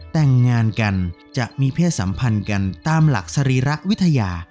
แต่งงานกันจะมีเพศสัมพันธ์กันตามหลักสรีระวิทยา